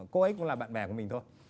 cô ấy cũng là bạn bè của mình thôi